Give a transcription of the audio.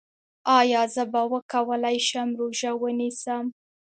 ایا زه به وکولی شم روژه ونیسم؟